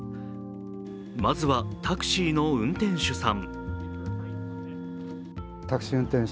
まずはタクシーの運転手さん。